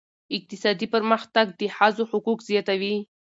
اقتصادي پرمختګ د ښځو حقوق زیاتوي.